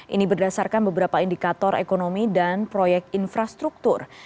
ini berdasarkan beberapa indikator ekonomi dan proyek infrastruktur